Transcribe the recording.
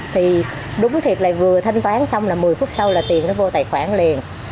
thì đúng thiệt là vừa thanh toán xong là một mươi phút sau là tiền nó vô tài khoản liền